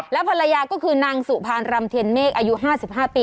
ภรรยาก็คือนางสุภานรำเทียนเมฆอายุ๕๕ปี